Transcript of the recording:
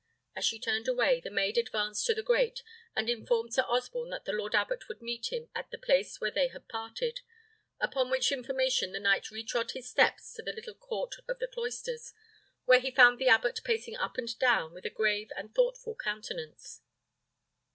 As she turned away, the maid advanced to the grate, and informed Sir Osborne that the lord abbot would meet him at the place where they had parted, upon which information the knight retrod his steps to the little court of the cloisters, where he found the abbot pacing up and down, with a grave and thoughtful countenance.